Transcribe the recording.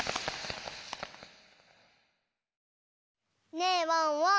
ねえワンワン。